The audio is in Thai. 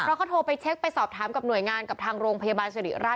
พ่อก็โทรไปเช็คไปสอบถามกับหน่วยงานกับทางโรงพยาบาลสุริยรัติ